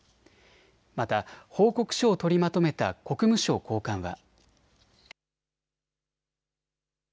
また報告書を取りまとめた国務省高官は。